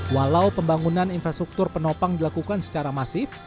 walau pembangunan infrastruktur penopang dilakukan secara masif